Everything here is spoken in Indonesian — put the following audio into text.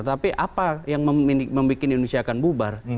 tapi apa yang membuat indonesia akan bubar